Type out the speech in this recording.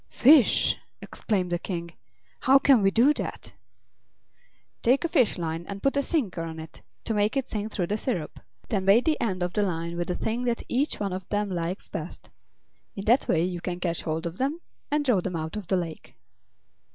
"Fish!" exclaimed the King; "how can we do that?" "Take a fish line and put a sinker on it, to make it sink through the syrup. Then bait the end of the line with the thing that each one of them likes best. In that way you can catch hold of them and draw them out of the lake."